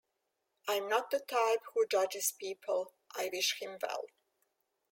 I'm not the type who judges people, I wish him well.